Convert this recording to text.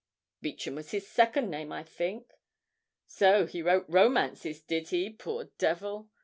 Beauchamp was his second name, I think. So he wrote romances, did he, poor devil!